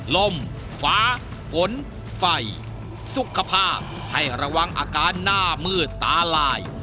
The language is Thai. ลมฟ้าฝนไฟสุขภาพให้ระวังอาการหน้ามืดตาลาย